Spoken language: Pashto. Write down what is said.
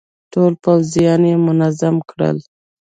ټول پوځيان يې منظم کړل.